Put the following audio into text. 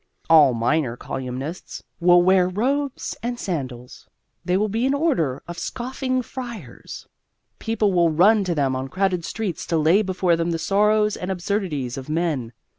All minor colyumists will wear robes and sandals; they will be an order of scoffing friars; people will run to them on crowded streets to lay before them the sorrows and absurdities of men.